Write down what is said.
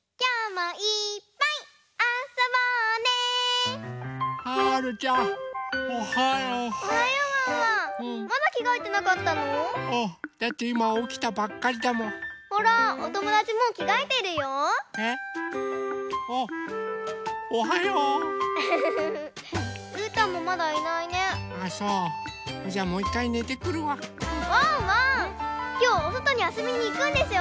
きょうはおそとにあそびにいくんでしょ。